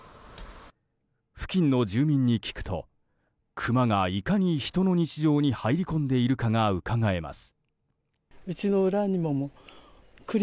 付近の住民に聞くとクマがいかに人の日常に入り込んでいるかがうかがえます。